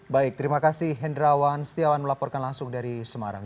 baik terima kasih hendrawan setiawan melaporkan langsung dari semarang